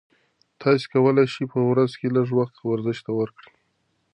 تاسي کولای شئ په ورځ کې لږ وخت ورزش ته ورکړئ.